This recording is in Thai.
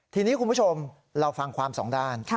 ทีนี้คุณผู้ชมเราฟังความสองด้าน